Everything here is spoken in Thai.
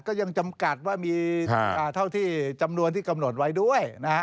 จำกัดว่ามีเท่าที่จำนวนที่กำหนดไว้ด้วยนะฮะ